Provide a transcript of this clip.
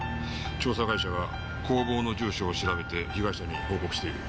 調査会社が工房の住所を調べて被害者に報告している。